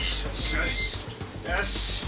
よし！